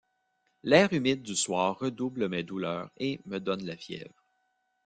L’air humide du soir redouble mes douleurs, et me donne la fièvre.